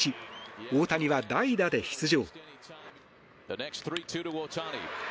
大谷は代打で出場。